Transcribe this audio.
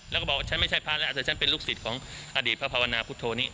แล้วก็บอกฉันไม่ใช่พระแล้วแต่ฉันเป็นลูกศิษย์ของอดีตพระภาวนาพุทธโธนี้